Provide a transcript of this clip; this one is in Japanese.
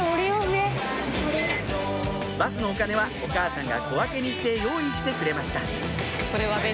バスのお金はお母さんが小分けにして用意してくれました